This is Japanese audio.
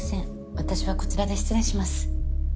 私はこちらで失礼します。